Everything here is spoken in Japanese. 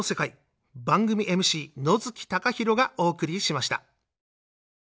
番組ＭＣ野月貴弘がお送りしました。